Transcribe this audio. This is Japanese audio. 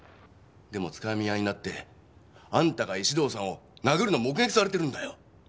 でも掴み合いになってあんたが石堂さんを殴るのを目撃されてるんだよ。